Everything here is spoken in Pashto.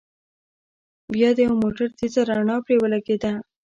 بيا د يوه موټر تېزه رڼا پرې ولګېده.